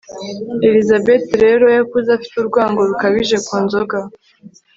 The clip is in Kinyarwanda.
elizabeth rero yakuze afite urwango rukabije ku nzoga